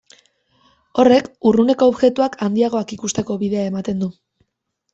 Horrek urruneko objektuak handiagoak ikusteko bidea ematen du.